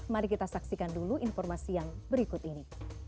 mari kita saksikan dulu informasi yang berikut ini